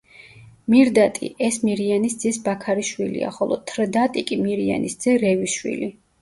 მირდატი ეს მირიანის ძის ბაქარის შვილია ხოლო თრდატი კი მირიანის ძე რევის შვილი.